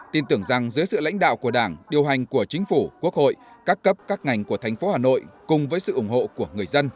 tin tưởng rằng dưới sự lãnh đạo của đảng điều hành của chính phủ quốc hội các cấp các ngành của thành phố hà nội cùng với sự ủng hộ của người dân